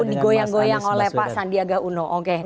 digoyang goyang oleh pak sandiaga uno